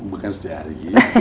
bukan setiap hari